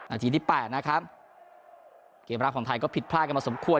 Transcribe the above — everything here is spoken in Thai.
นาทีที่แปดนะครับเกมรักของไทยก็ผิดพลาดกันมาสมควร